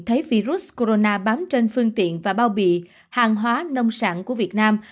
thấy virus corona bám trên phương tiện và bao bì hàng hóa nông sản của việt nam